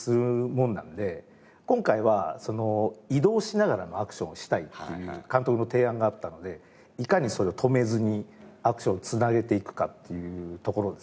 今回は移動しながらのアクションをしたいっていう監督の提案があったのでいかにそれを止めずにアクションを繋げていくかっていうところですね。